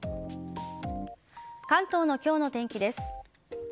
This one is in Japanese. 関東の今日の天気です。